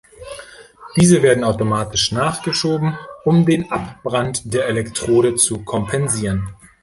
Diese werden automatisch nachgeschoben, um den Abbrand der Elektrode zu kompensieren.